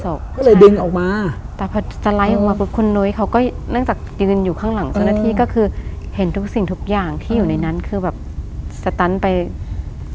ก็เลยดึงออกมาแต่พอสไลด์ออกมาปุ๊บคุณนุ้ยเขาก็เนื่องจากยืนอยู่ข้างหลังเจ้าหน้าที่ก็คือเห็นทุกสิ่งทุกอย่างที่อยู่ในนั้นคือแบบสตันไป